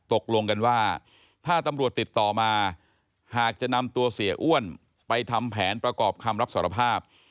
ตกลงกันว่าถ้าตำรวจติดต่อมาหากจะนำตัวเสียอ้วนไปทำแผนประกอบคำรับสารภาพ